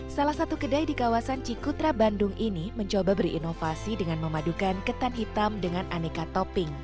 salah satu kedai di kawasan cikutra bandung ini mencoba berinovasi dengan memadukan ketan hitam dengan aneka topping